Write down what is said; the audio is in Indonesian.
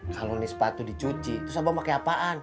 kalau ini sepatu dicuci terus abang pake apaan